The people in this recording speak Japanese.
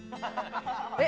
えっ？